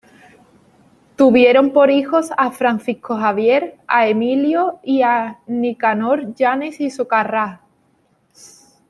Tuvieron por hijos a Francisco Javier, a Emilio y a Nicanor Yanes y Socarrás.